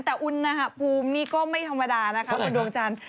แต่อุณหภูมินี่ก็ไม่ธรรมดานะคะคุณดวงจันทร์